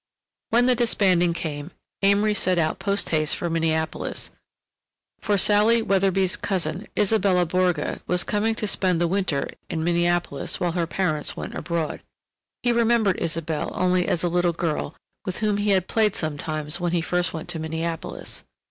When the disbanding came, Amory set out post haste for Minneapolis, for Sally Weatherby's cousin, Isabelle Borge, was coming to spend the winter in Minneapolis while her parents went abroad. He remembered Isabelle only as a little girl with whom he had played sometimes when he first went to Minneapolis.